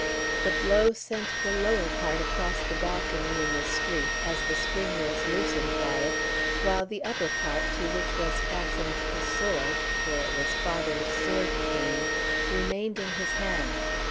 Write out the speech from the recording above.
The blow sent the lower part across the balcony in the street, as the spring was loosened by it, while the upper part, to which was fastened the sword for it was father's sword cane remained in his hand.